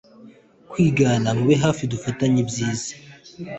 kwigana mube hafi dufatanye ibyiza